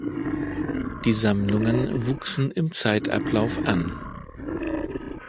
Die Sammlungen wuchsen im Zeitablauf an.